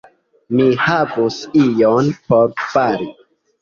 Mi havus ion por fari.